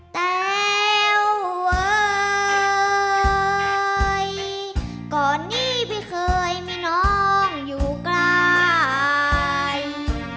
แต้วเว้ยก่อนนี้พี่เคยมีน้องอยู่ใกล้